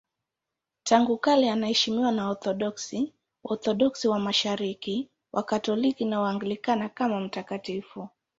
Tangu kale anaheshimiwa na Waorthodoksi, Waorthodoksi wa Mashariki, Wakatoliki na Waanglikana kama mtakatifu.